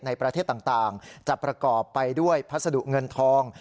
ในประเทศต่างจะประกอบไปด้วยพัสดุเงินทอง